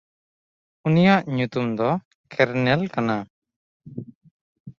ᱩᱱᱤᱭᱟᱜ ᱧᱩᱛᱩᱢ ᱫᱚ ᱠᱮᱨᱱᱮᱞ ᱠᱟᱱᱟ᱾